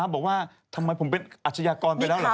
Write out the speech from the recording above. บอกว่าทำไมผมเป็นอาชญากรไปแล้วเหรอ